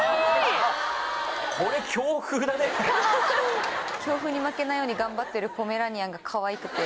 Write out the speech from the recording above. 強風に負けないように頑張ってるポメラニアンがかわいくて。